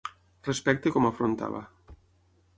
Respecte com afrontava.